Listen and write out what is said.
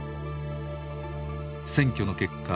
選挙の結果